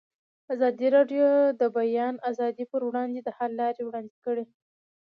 ازادي راډیو د د بیان آزادي پر وړاندې د حل لارې وړاندې کړي.